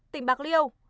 tỉnh bạc liêu